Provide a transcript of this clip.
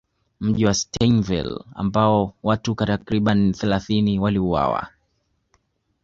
Mji Wa Stanleyville ambapo watu takribani thelathini waliuawa